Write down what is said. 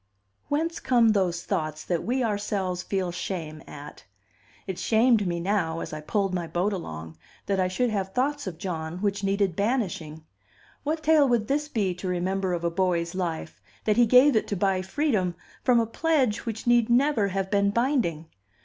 Whence come those thoughts that we ourselves feel shame at? It shamed me now, as I pulled my boat along, that I should have thoughts of John which needed banishing. What tale would this be to remember of a boy's life, that he gave it to buy freedom from a pledge which need never have been binding?